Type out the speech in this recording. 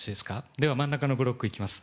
では真ん中のブロックいきます。